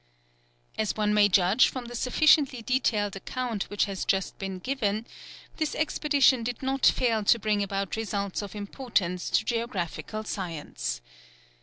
As one may judge from the sufficiently detailed account which has just been given, this expedition did not fail to bring about results of importance to geographical science.